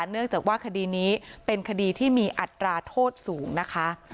เนื่องจากว่าคดีนี้เป็นคดีที่มีอัตราโทษสูงนะคะ